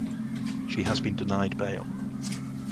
She has been denied bail.